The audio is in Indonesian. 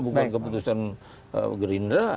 bukan keputusan gerindra